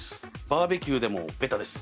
バーベキューでもベタです。